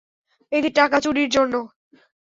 এদের টাকা চুরির জন্য?